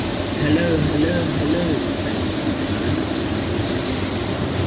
"Hello, hello, hello" said the policeman.